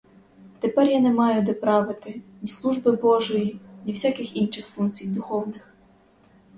Тепер я не маю де правити ні служби божої, ні всяких інших функцій духовних.